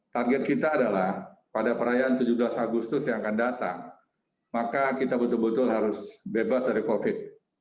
target kita adalah pada perayaan tujuh belas agustus yang akan datang maka kita betul betul harus bebas dari covid